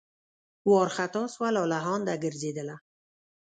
وارخطا سوه لالهانده ګرځېدله